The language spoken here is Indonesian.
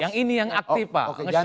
yang ini yang aktif pak nge share itu